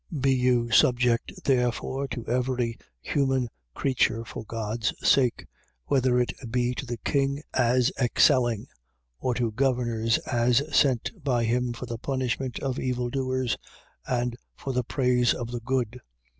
2:13. Be ye subject therefore to every human creature for God's sake: whether it be to the king as excelling, 2:14. Or to governors as sent by him for the punishment of evildoers and for the praise of the good.